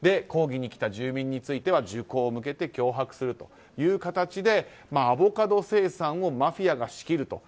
抗議に来た住民については銃口を向けて脅迫するという形でアボカド生産をマフィアが仕切る。